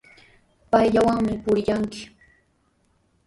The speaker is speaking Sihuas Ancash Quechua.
Payllawanmi purillanki.